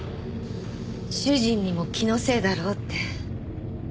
主人にも気のせいだろうって。